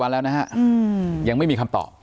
วันแล้วนะฮะยังไม่มีคำตอบ